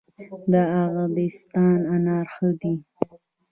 ارغستان انار ښه دي؟